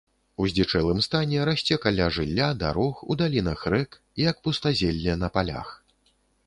У здзічэлым стане расце каля жылля, дарог, у далінах рэк, як пустазелле на палях.